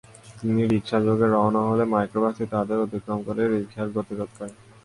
তিনি রিকশাযোগে রওনা হলে মাইক্রোবাসটি তাঁদের অতিক্রম করে রিকশার গতিরোধ করে।